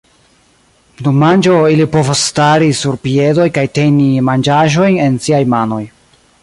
Dum manĝo ili povas stari sur piedoj kaj teni manĝaĵojn en siaj manoj.